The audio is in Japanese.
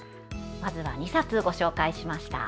まずは２冊、ご紹介しました。